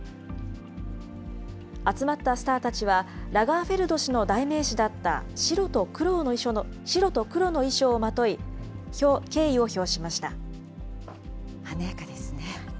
集まったスターたちは、ラガーフェルド氏の代名詞だった白と黒の衣装をまとい、敬意を表華やかですね。